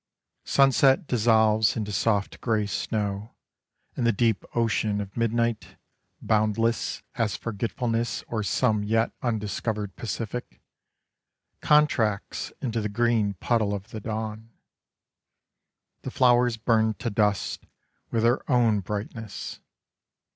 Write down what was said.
Sunset dissolves into soft grey snow and the deep ocean of midnight, boundless as forgetfulness or some yet undiscovered Pacific, contracts into the green puddle of the dawn. The flowers burn to dust with their own bright ness.